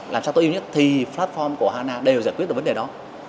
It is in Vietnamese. làm sao tối ưu nhất thì platform của hana đều giải quyết được vấn đề đó